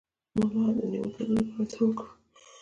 د ملا د نیول کیدو لپاره باید څه وکړم؟